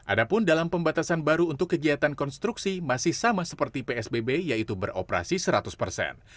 adapun dalam pembatasan baru untuk kegiatan konstruksi masih sama seperti psbb yaitu beroperasi seratus persen